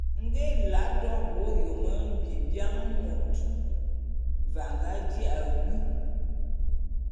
Nge Ela a to bo ôyôm mbiebian môt, ve a nga ji’a wu.